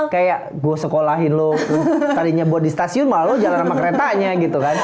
kayak gue sekolahin lo tadinya buat di stasiun malu jalan sama keretanya gitu kan